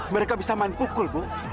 mereka bisa main pukul bu